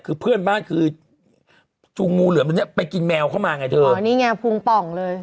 คือเพื่อนบ้านคือจูงงูเหลือมตัวเนี้ยไปกินแมวเข้ามาไงเธออ๋อนี่ไงพุงป่องเลย